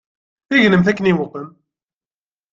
Gnemt akken iqwem.